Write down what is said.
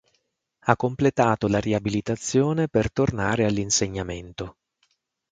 Ha completato la riabilitazione per tornare all'insegnamento.